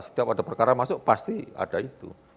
setiap ada perkara masuk pasti ada itu